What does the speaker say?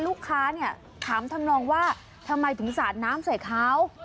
ลูกค้าเนี่ยถามทำนองว่าทำไมถึงสาดน้ำใส่เขา